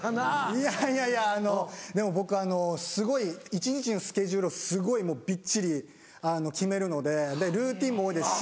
いやいやいやでも僕すごい一日のスケジュールをすごいびっちり決めるのでルーティンも多いですし。